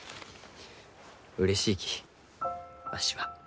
うれしいきわしは。